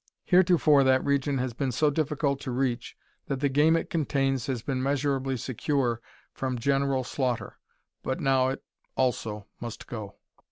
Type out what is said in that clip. Heretofore that region has been so difficult to reach that the game it contains has been measurably secure from general slaughter; but now it also must "go."